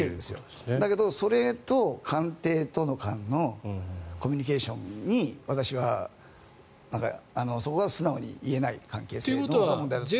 だけどそれと官邸との間のコミュニケーションに私はそこが素直に言えない関係性が問題だと思います。